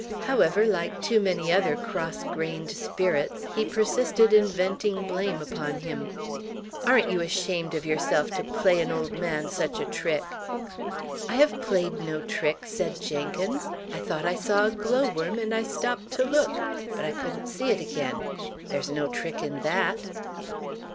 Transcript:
However, like too many other cross grained spirits, he persisted in venting blame upon him. "Aren't you ashamed of yourself, to play an old man such a trick?" "I have played no trick," said Jenkins. "I thought I saw a glowworm, and I stopped to look; but I couldn't see it again. There's no trick in that."